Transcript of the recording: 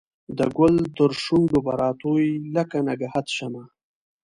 د ګل ترشو نډو به راتوی لکه نګهت شمه